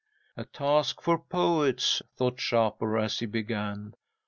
"'"A task for poets," thought Shapur, as he began.